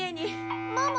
ママ。